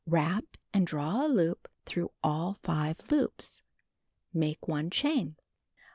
Wrap and draw a loop through all 5 loops, Make 1 chain.